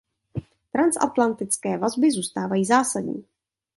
Transatlantické vazby zůstávají zásadní.